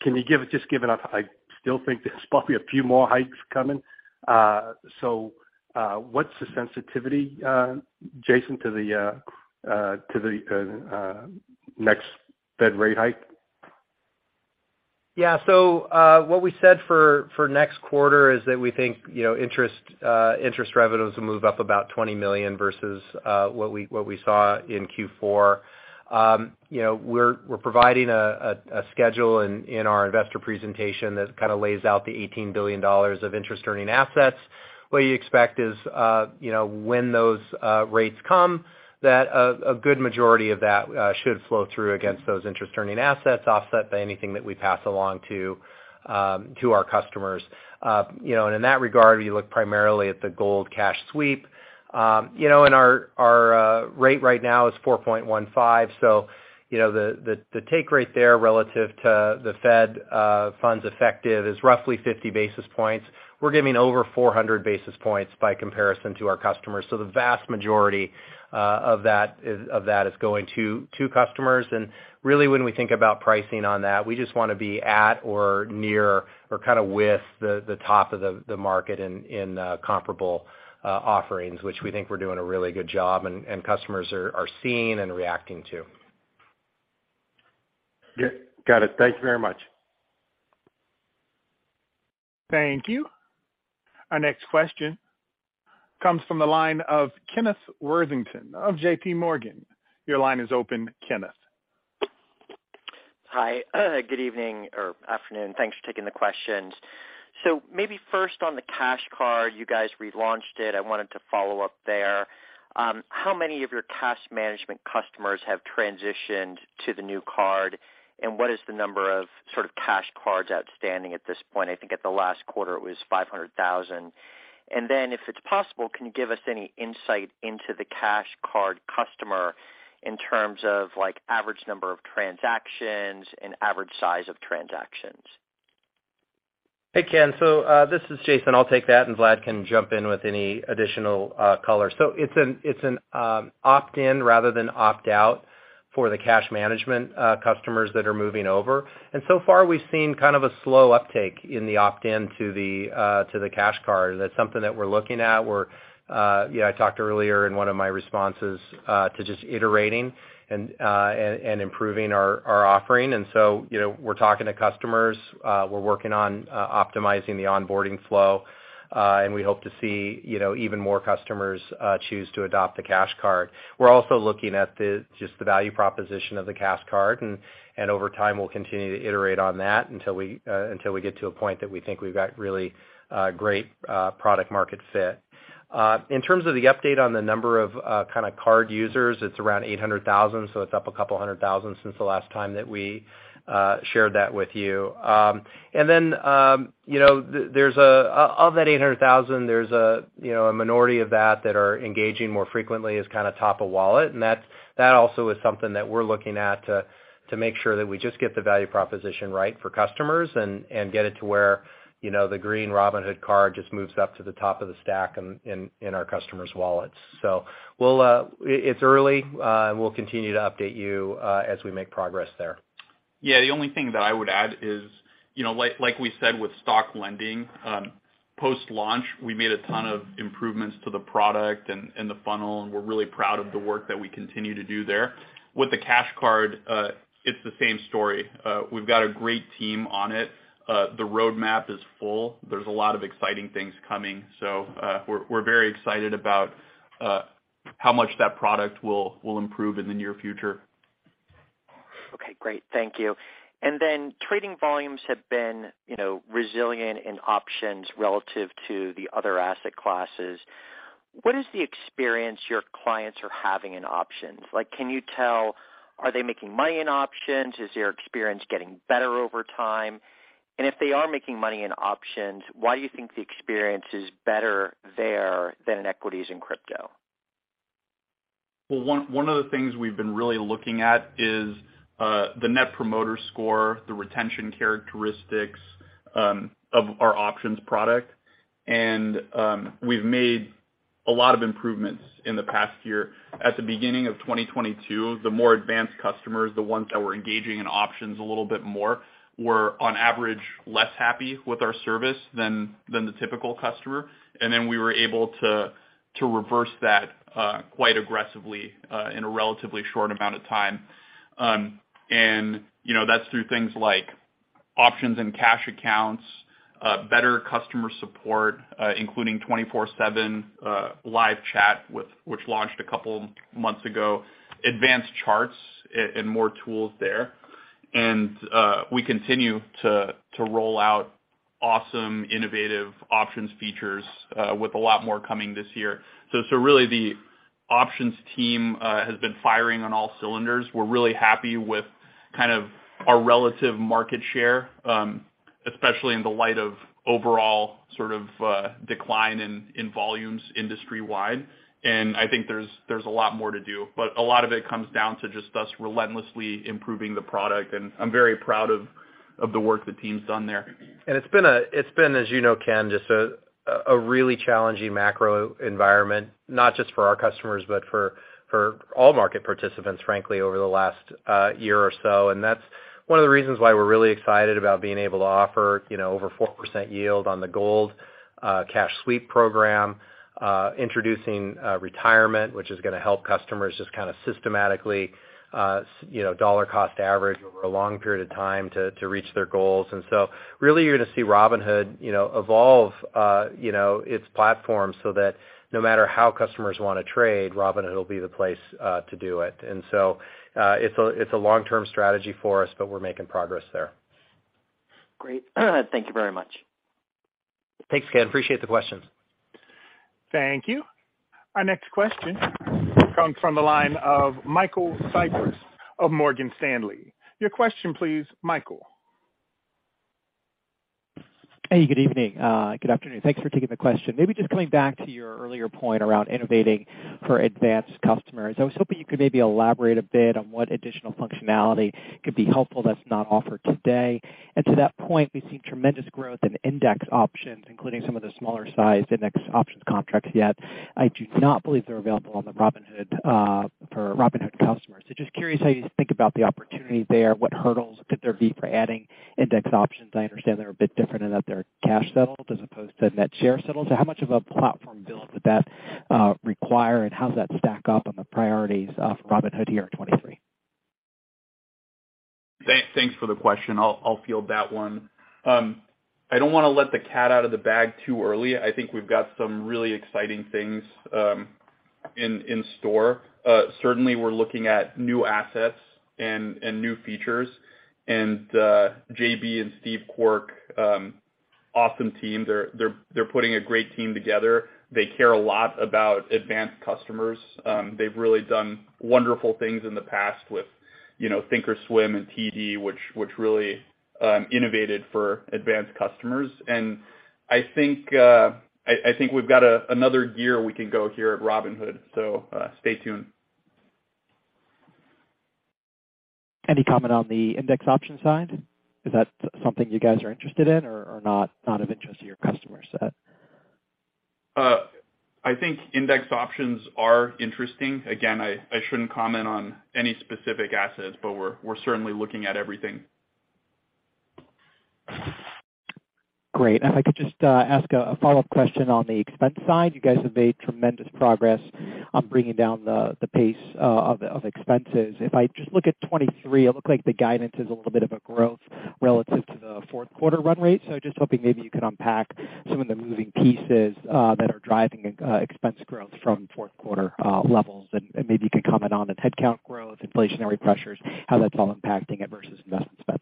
Can you just give it a- I still think there's probably a few more hikes coming. What's the sensitivity, Jason, to the, to the next Fed rate hike? What we said for next quarter is that we think, you know, interest revenues will move up about $20 million versus what we saw in Q4. You know, we're providing a schedule in our investor presentation that kinda lays out the $18 billion of interest-earning assets. What you expect is, you know, when those rates come, that a good majority of that should flow through against those interest-earning assets, offset by anything that we pass along to our customers. You know, and in that regard, you look primarily at the Gold cash sweep. You know, and our rate right now is 4.15%. You know, the take rate there relative to the Fed funds effective is roughly 50 basis points. We're giving over 400 basis points by comparison to our customers. The vast majority of that is going to customers. Really, when we think about pricing on that, we just wanna be at or near or kinda with the top of the market in comparable offerings, which we think we're doing a really good job and customers are seeing and reacting to. Got it. Thank you very much. Thank you. Our next question comes from the line of Kenneth Worthington of J.P. Morgan. Your line is open, Kenneth. Hi. Good evening or afternoon. Thanks for taking the questions. Maybe first on the Cash Card, you guys relaunched it. I wanted to follow up there. How many of your cash management customers have transitioned to the new card? What is the number of sort of Cash Cards outstanding at this point? I think at the last quarter, it was 500,000. If it's possible, can you give us any insight into the Cash Card customer in terms of, like, average number of transactions and average size of transactions? Hey, Ken. This is Jason. I'll take that, and Vlad can jump in with any additional color. It's an opt-in rather than opt-out for the cash management customers that are moving over. So far, we've seen kind of a slow uptake in the opt-in to the Cash Card. That's something that we're looking at. We're, you know, I talked earlier in 1 of my responses to just iterating and improving our offering. You know, we're talking to customers, we're working on optimizing the onboarding flow, and we hope to see, you know, even more customers choose to adopt the Cash Card. We're also looking at the, just the value proposition of the Cash Card, and over time, we'll continue to iterate on that until we get to a point that we think we've got really great product market fit. In terms of the update on the number of kind of card users, it's around 800,000, so it's up 200,000 since the last time that we shared that with you. You know, of that 800,000, there's a, you know, a minority of that that are engaging more frequently as kind of top of wallet. That's also is something that we're looking at to make sure that we just get the value proposition right for customers and get it to where, you know, the green Robinhood card just moves up to the top of the stack in our customers' wallets. We'll. It's early, and we'll continue to update you as we make progress there. The only thing that I would add is, you know, like we said with Stock Lending, post-launch, we made a ton of improvements to the product and the funnel, and we're really proud of the work that we continue to do there. With the Cash Card, it's the same story. We've got a great team on it. The roadmap is full. There's a lot of exciting things coming. We're very excited about how much that product will improve in the near future. Okay. Great. Thank you. Then trading volumes have been, you know, resilient in options relative to the other asset classes. What is the experience your clients are having in options? Like, can you tell, are they making money in options? Is their experience getting better over time? If they are making money in options, why do you think the experience is better there than in equities and crypto? Well, 1 of the things we've been really looking at is the net promoter score, the retention characteristics of our options product. We've made a lot of improvements in the past year. At the beginning of 2022, the more advanced customers, the ones that were engaging in options a little bit more, were on average, less happy with our service than the typical customer. We were able to reverse that quite aggressively in a relatively short amount of time. You know, that's through things like options and cash accounts, better customer support, including 24/7 live chat which launched a couple months ago, advanced charts and more tools there. We continue to roll out awesome, innovative options features with a lot more coming this year. Really, the options team has been firing on all cylinders. We're really happy with kind of our relative market share, especially in the light of overall sort of decline in volumes industry-wide. I think there's a lot more to do, but a lot of it comes down to just us relentlessly improving the product, and I'm very proud of the work the team's done there. It's been, as you know, Ken, just a really challenging macro environment, not just for our customers, but for all market participants, frankly, over the last year or so. That's 1 of the reasons why we're really excited about being able to offer, you know, over 4% yield on the Robinhood Gold cash sweep program, introducing Robinhood Retirement, which is gonna help customers just kind of systematically, you know, dollar-cost average over a long period of time to reach their goals. Really you're gonna see Robinhood, you know, evolve, you know, its platform so that no matter how customers wanna trade, Robinhood will be the place to do it. It's a long-term strategy for us, but we're making progress there. Great. Thank you very much. Thanks, Ken. Appreciate the questions. Thank you. Our next question comes from the line of Michael Cyprys of Morgan Stanley. Your question, please, Michael. Hey, good evening. good afternoon. Thanks for taking the question. Maybe just coming back to your earlier point around innovating for advanced customers. I was hoping you could maybe elaborate a bit on what additional functionality could be helpful that's not offered today. To that point, we've seen tremendous growth in index options, including some of the smaller sized index options contracts, yet I do not believe they're available on the Robinhood for Robinhood customers. Just curious how you think about the opportunity there. What hurdles could there be for adding index options? I understand they're a bit different in that they're cash settled as opposed to net share settled. How much of a platform build would that require, and how does that stack up on the priorities of Robinhood here in 23? Thanks for the question. I'll field that 1. I don't wanna let the cat out of the bag too early. I think we've got some really exciting things, in store. Certainly we're looking at new assets and new features. JB and Steve Quirk, awesome team. They're putting a great team together. They care a lot about advanced customers. They've really done wonderful things in the past with, you know, thinkorswim and TD, which really innovated for advanced customers. I think we've got another gear we can go here at Robinhood, so stay tuned. Any comment on the index option side? Is that something you guys are interested in or not of interest to your customer set? I think index options are interesting. Again, I shouldn't comment on any specific assets, but we're certainly looking at everything. Great. If I could just ask a follow-up question on the expense side. You guys have made tremendous progress on bringing down the pace of expenses. If I just look at 2023, it looks like the guidance is a little bit of a growth relative to the Q4 run rate. Just hoping maybe you could unpack some of the moving pieces that are driving expense growth from Q4 levels. Maybe you could comment on the headcount growth, inflationary pressures, how that's all impacting it versus investment spend.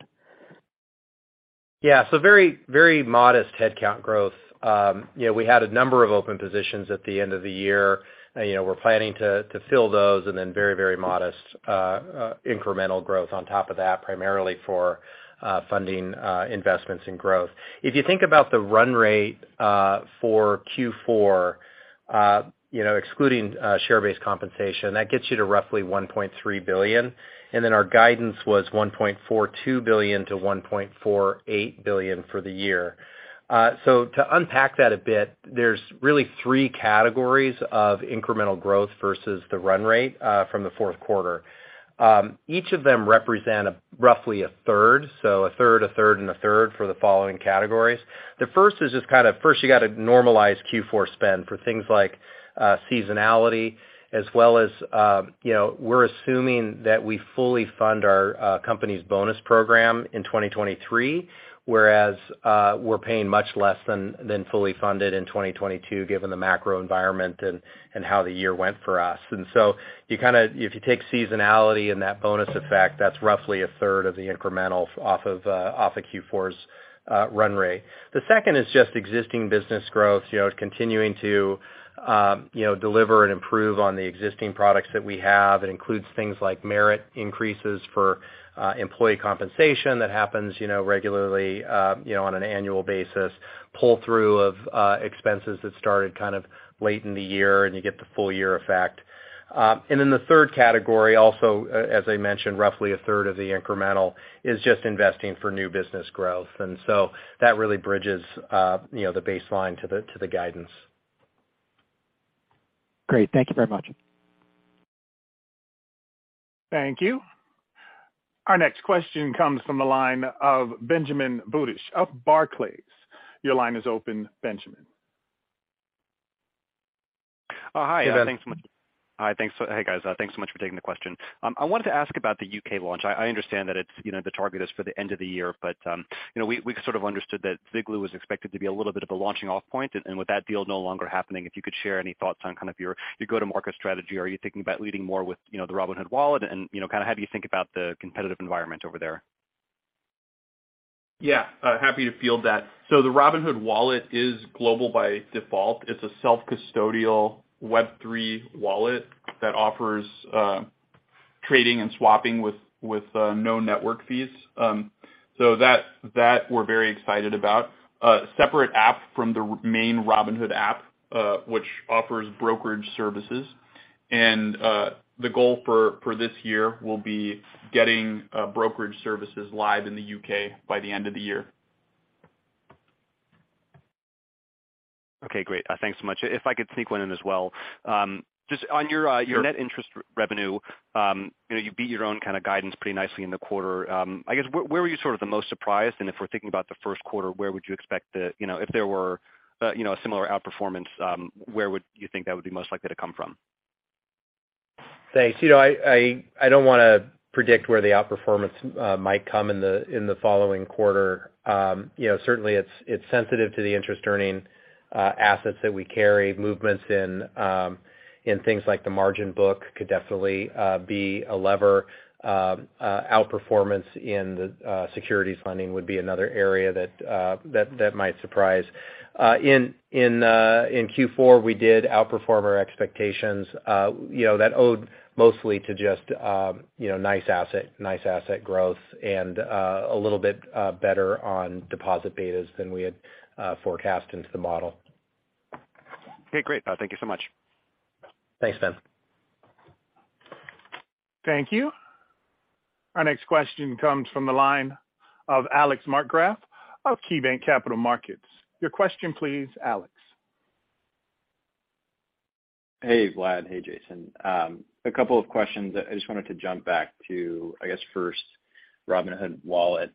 Very modest headcount growth. you know, we had a number of open positions at the end of the year, you know, we're planning to fill those very, very modest incremental growth on top of that, primarily for funding investments in growth. If you think about the run rate for Q4, you know, excluding share-based compensation, that gets you to roughly $1.3 billion, our guidance was $1.42 billion-$1.48 billion for the year. to unpack that a bit, there's really 3 categories of incremental growth versus the run rate from the Q4. each of them represent a roughly 1/3, 1/3, 1/3, and 1/3 for the following categories. The 1st is just kind of first you got to normalize Q4 spend for things like seasonality as well as, you know, we're assuming that we fully fund our company's bonus program in 2023, whereas we're paying much less than fully funded in 2022, given the macro environment and how the year went for us. You kind of. If you take seasonality and that bonus effect, that's roughly 1/3 of the incremental off of off of Q4's run rate. The 2nd is just existing business growth, you know, continuing to, you know, deliver and improve on the existing products that we have. It includes things like merit increases for employee compensation. That happens, you know, regularly, you know, on an annual basis, pull through of expenses that started kind of late in the year. You get the full year effect. Then the 3rd category, also, as I mentioned, roughly 1/3 of the incremental is just investing for new business growth. That really bridges, you know, the baseline to the guidance. Great. Thank you very much. Thank you. Our next question comes from the line of Benjamin Budish of Barclays. Your line is open, Benjamin. Hi. Thanks so much. Hi. Thanks. Hey, guys. Thanks so much for taking the question. I wanted to ask about the U.K. launch. I understand that it's, you know, the target is for the end of the year, but, you know, we sort of understood that Ziglu was expected to be a little bit of a launching off point. With that deal no longer happening, if you could share any thoughts on kind of your go-to-market strategy. Are you thinking about leading more with, you know, the Robinhood Wallet and, you know, kind of how do you think about the competitive environment over there? Happy to field that. The Robinhood Wallet is global by default. It's a self-custodial Web3 wallet that offers trading and swapping with no network fees. So that we're very excited about. Separate app from the main Robinhood app, which offers brokerage services. The goal for this year will be getting brokerage services live in the U.K. by the end of the year. Okay. Great. thanks so much. If I could sneak 1 in as well. just on your. Sure. Your net interest revenue, you know, you beat your own kind of guidance pretty nicely in the quarter. I guess where were you sort of the most surprised? If we're thinking about the Q1, where would you expect, you know, if there were, you know, a similar outperformance, where would you think that would be most likely to come from? Thanks. You know, I don't wanna predict where the outperformance might come in the following quarter. You know, certainly it's sensitive to the interest earning assets that we carry. Movements in things like the margin book could definitely be a lever. Outperformance in the securities funding would be another area that might surprise. In Q4, we did outperform our expectations. You know, that owed mostly to just, you know, nice asset growth and a little bit better on deposit betas than we had forecast into the model. Okay. Great. Thank you so much. Thanks, Ben. Thank you. Our next question comes from the line of Alex Markgraff of KeyBanc Capital Markets. Your question, please, Alex. Hey, Vlad. Hey, Jason. A couple of questions. I just wanted to jump back to, I guess first, Robinhood Wallet.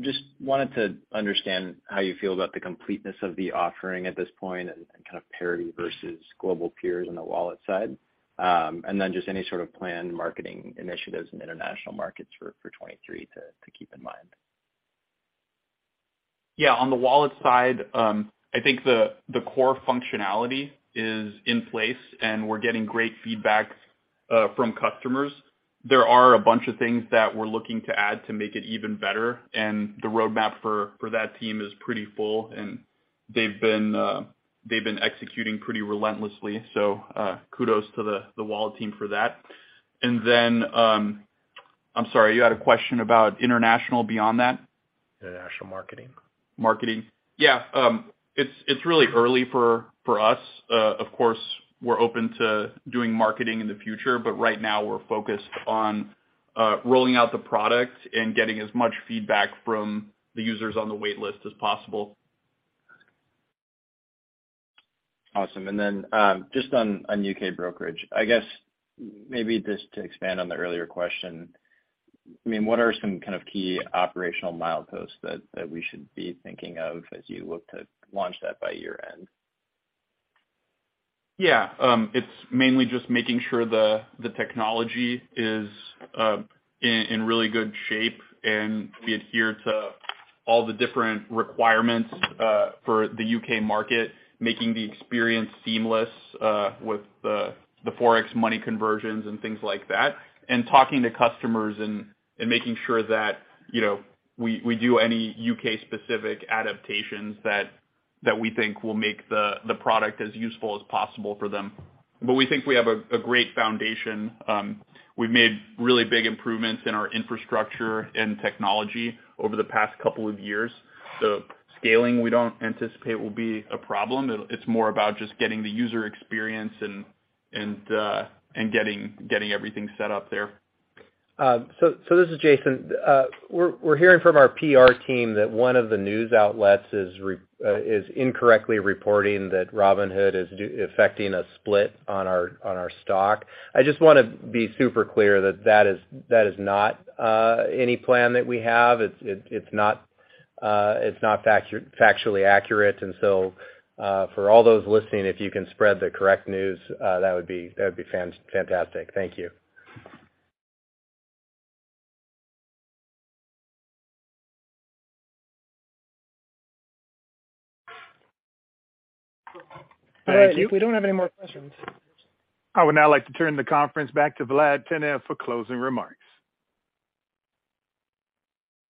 Just wanted to understand how you feel about the completeness of the offering at this point and kind of parity versus global peers on the wallet side. Then just any sort of planned marketing initiatives in international markets for 2023 to keep in mind. On the Wallet side, I think the core functionality is in place, and we're getting great feedback from customers. There are a bunch of things that we're looking to add to make it even better, and the roadmap for that team is pretty full, and they've been executing pretty relentlessly. Kudos to the Wallet team for that. I'm sorry, you had a question about international beyond that? International marketing. Marketing. It's really early for us. Of course, we're open to doing marketing in the future, but right now we're focused on rolling out the product and getting as much feedback from the users on the waitlist as possible. Awesome. Then, just on U.K. brokerage, I guess maybe just to expand on the earlier question, I mean, what are some kind of key operational mileposts that we should be thinking of as you look to launch that by year-end? It's mainly just making sure the technology is in really good shape, and we adhere to all the different requirements for the U.K. market, making the experience seamless with the forex money conversions and things like that, and talking to customers and making sure that, you know, we do any U.K.-specific adaptations that we think will make the product as useful as possible for them. We think we have a great foundation. We've made really big improvements in our infrastructure and technology over the past couple of years. Scaling we don't anticipate will be a problem. It's more about just getting the user experience and getting everything set up there. So this is Jason. We're hearing from our PR team that one of the news outlets is incorrectly reporting that Robinhood is effecting a split on our stock. I just wanna be super clear that that is not any plan that we have. It's not factually accurate. For all those listening, if you can spread the correct news, that would be fantastic. Thank you. All right. If we don't have any more questions. I would now like to turn the conference back to Vlad Tenev for closing remarks.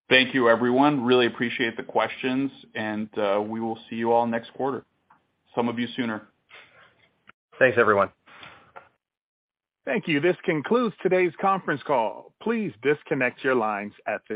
Thank you, everyone. Really appreciate the questions, and we will see you all next quarter, some of you sooner. Thanks, everyone. Thank you. This concludes today's conference call. Please disconnect your lines at this time.